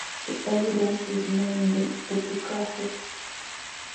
The evidence is mainly epigraphic.